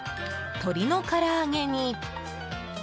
鶏のから揚げに。